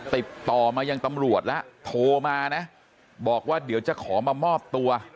ติดต่อมายังตำรวจแล้วโทรมานะบอกว่าเดี๋ยวจะขอมามอบตัว